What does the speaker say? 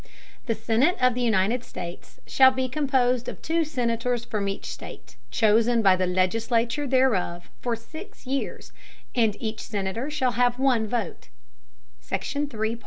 The Senate of the United States shall be composed of two Senators from each State, chosen by the Legislature thereof, for six Years; and each Senator shall have one Vote.